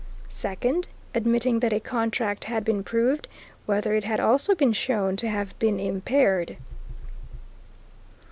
Second, admitting that a contract had been proved, whether it had also been shown to have been impaired.